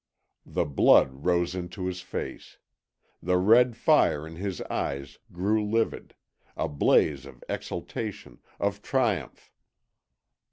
The blood rose into his face. The red fire in his eyes grew livid a blaze of exultation, of triumph.